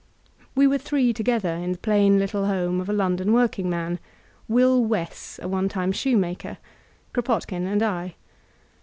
We were three together in the plain little home of a London workingman — Will Wess, a one time shoemaker — Kropotkin, and I.